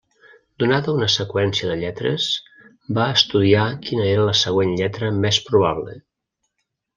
Donada una seqüència de lletres, va estudiar quina era la següent lletra més probable.